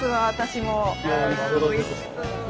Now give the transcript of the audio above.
おいしそう。